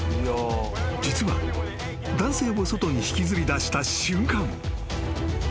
［実は男性を外に引きずり出した瞬間］